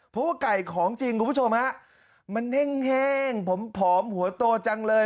เพราะว่าไก่ของจริงคุณผู้ชมฮะมันแห้งผมผอมหัวโตจังเลย